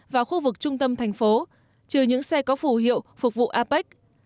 vào khu vực trung tâm thành phố trừ những xe có phủ hiệu phục vụ apec